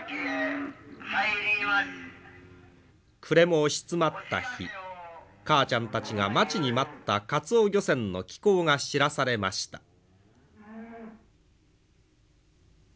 暮れも押し詰まった日かあちゃんたちが待ちに待ったかつお漁船の帰港が知らされました。